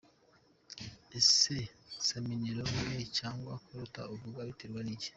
Ese somniloquie cyangwa kurota uvuga biterwa n’iki?.